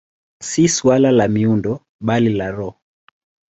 Si suala la miundo, bali la roho.